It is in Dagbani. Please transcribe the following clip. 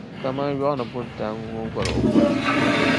kaman yɔɣuni buntaaŋa ŋun gɔr’ o ko la.